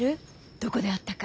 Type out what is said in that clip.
どこで会ったか。